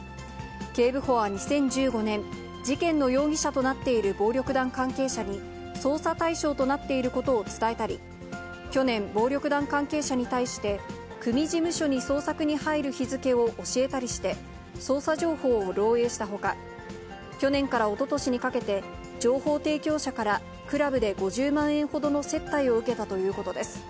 警部補は２０１５年、事件の容疑者となっている暴力団関係者に、捜査対象となっていることを伝えたり、去年、暴力団関係者に対して、組事務所に捜索に入る日付を教えたりして、捜査情報を漏えいしたほか、去年からおととしにかけて、情報提供者からクラブで５０万円ほどの接待を受けたということです。